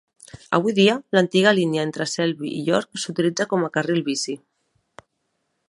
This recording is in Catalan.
Avui dia, l'antiga línia entre Selby i York s'utilitza com a carril bici.